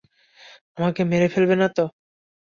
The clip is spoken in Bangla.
আমাদের মেরে ফেলবে নাতো?